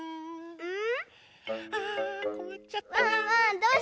うん。